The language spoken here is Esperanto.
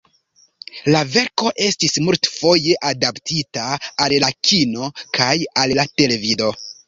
La verko estis multfoje adaptita al la kino kaj al la televido.